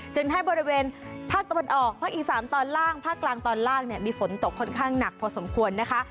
ให้บริเวณภาคตะวันออกภาคอีสานตอนล่างภาคกลางตอนล่างเนี่ยมีฝนตกค่อนข้างหนักพอสมควรนะคะ